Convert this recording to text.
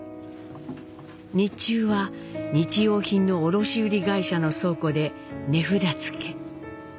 日中は日用品の卸売会社の倉庫で値札付け。